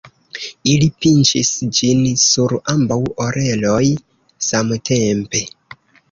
Ili pinĉis ĝin sur ambaŭ oreloj samtempe.